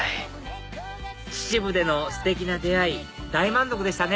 秩父でのステキな出会い大満足でしたね！